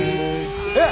えっ！